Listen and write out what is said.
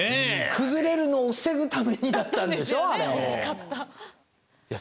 崩れるのを防ぐためにだったんでしょ？だったんですよね。